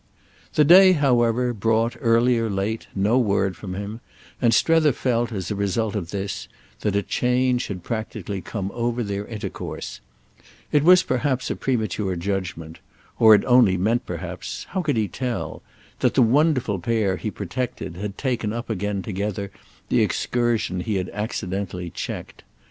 The day, however, brought, early or late, no word from him, and Strether felt, as a result of this, that a change had practically come over their intercourse. It was perhaps a premature judgement; or it only meant perhaps—how could he tell?—that the wonderful pair he protected had taken up again together the excursion he had accidentally checked.